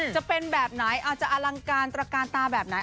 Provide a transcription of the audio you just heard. จะเป็นแบบไหนอาจจะอลังการตระการตาแบบไหน